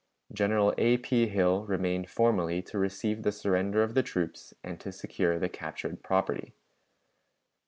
General A. P. Hill remained formally to receive the surrender of the troops and to secure the captured property.